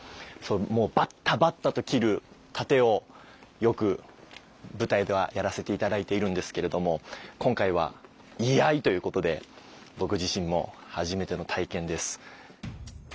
もうバッタバッタと斬る殺陣をよく舞台ではやらせて頂いているんですけれども今回は居合ということで僕自身も初めての体験です。